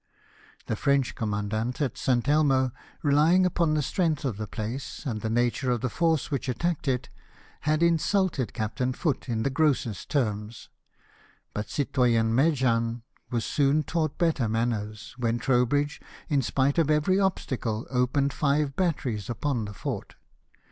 The Frernoh commandant at St. Elmo, relying upon the strength of the place, and the nature of the force which attacked it, had insulted Captain Foote in the grossest terms, but citoyen Mejan was soon taught better manners when Trowbridge, in spite of every obstacle, opened five batteries upon the fort.